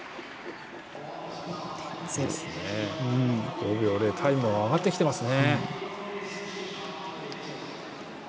５秒でタイムも上がってきてますね。